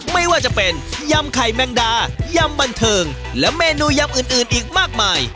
ไม่ว่าจะเป็นยำไข่แมงดายำบันเทิงและเมนูยำอื่นอีกมากมาย